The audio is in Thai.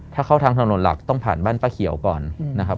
ถ้าเข้าทางถนนหลักต้องผ่านบ้านป้าเขียวก่อนนะครับ